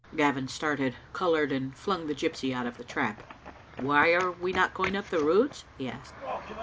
Gavin started, coloured, and flung the gypsy out of the trap. " Why are we not going up the Roods?" he asked.